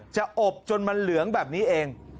อบจนมันเหลืองแบบนี้เอง